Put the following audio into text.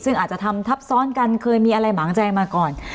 ซึ่งอาจจะทำทับซ้อนกันเคยมีอะไรหมางใจมาก่อน